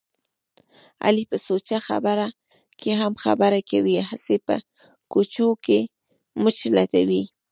علي په سوچه خبره کې هم خبره کوي. هسې په کوچو کې مچ لټوي.